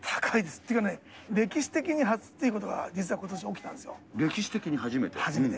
っていうかね、歴史的に初っていうことが、実はことし起きたんで歴史的に初めて？